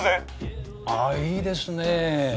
あいいですね。